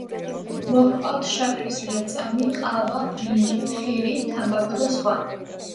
მოჰყავთ შაქრის ლერწამი, ყავა, ბრინჯი, ხილი, თამბაქო და სხვა.